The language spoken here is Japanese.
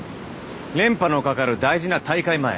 連覇の懸かる大事な大会前